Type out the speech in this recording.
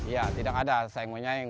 ya tidak ada saing menyaing